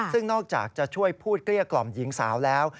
ซึ่งนอกจากจะช่วยพูดเกลี้ยกล่อมหญิงสาวแล้ว